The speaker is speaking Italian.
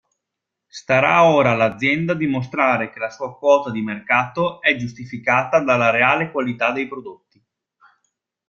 Starà ora all'azienda dimostrare che la sua quota di mercato è giustificata dalla reale qualità dei prodotti.